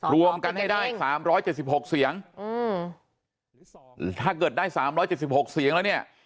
รวมกันให้ได้๓๗๖เสียงถ้าเกิดได้๓๗๖เสียงแล้วเนี่ย